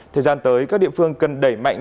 thời gian tới các địa phương cần đẩy mạnh